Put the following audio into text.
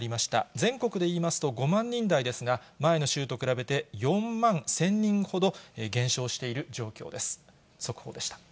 全国でいいますと５万人台ですが、前の週と比べて、４万１０００人ほど減少している状況です。